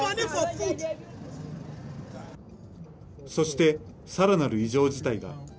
そして、さらなる異常事態が。